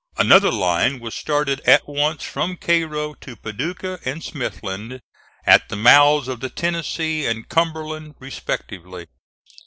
Another line was started at once from Cairo to Paducah and Smithland, at the mouths of the Tennessee and Cumberland respectively.